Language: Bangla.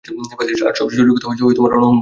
আর সবচেয়ে জরুরি কথা, রণহুঙ্কার!